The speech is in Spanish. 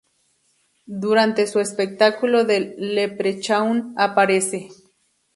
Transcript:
Durante su espectáculo del Leprechaun aparece.